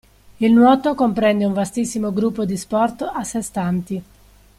Il nuoto comprende un vastissimo gruppo di sport a sé stanti.